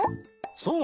そう！